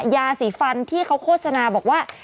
ยาสีฟันที่เขาโฆษณาบอกว่า